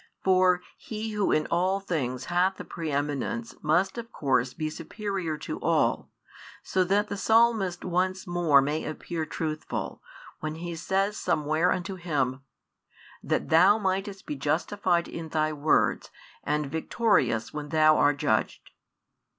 For He Who in all things hath the pre eminence must of course be superior to all, so that the Psalmist once more may appear truthful, when he says somewhere unto Him: That Thou mightest be justified in Thy words and victorious when Thou art judged.